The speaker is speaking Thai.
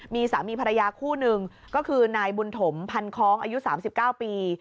มีสามีภรรยาคู่หนึ่งก็คือนายบุญถมพันคล้องอายุ๓๙ปี